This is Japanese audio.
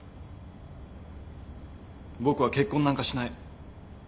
僕は結婚なんかしない。